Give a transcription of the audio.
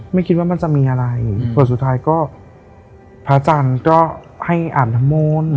ไม่คิดว่ามันจะมีอะไรส่วนสุดท้ายก็พระอาจารย์ก็ให้อาบน้ำมนต์